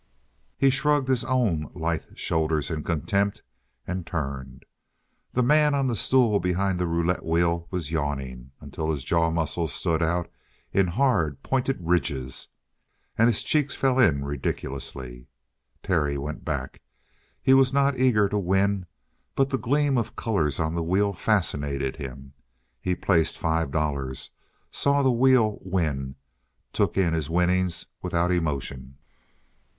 He shrugged his own lithe shoulders in contempt and turned. The man on the stool behind the roulette wheel was yawning until his jaw muscles stood out in hard, pointed ridges, and his cheeks fell in ridiculously. Terry went back. He was not eager to win; but the gleam of colors on the wheel fascinated him. He placed five dollars, saw the wheel win, took in his winnings without emotion.